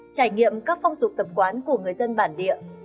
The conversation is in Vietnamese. trải nghiệm các phong tục tập quán của người dân bản địa